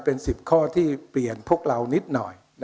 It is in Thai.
เป็น๑๐ข้อที่เปลี่ยนพวกเรานิดหน่อย